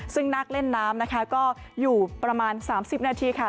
ซึ่งนักเล่นน้ำนะคะก็อยู่ประมาณ๓๐นาทีค่ะ